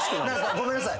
ごめんなさい。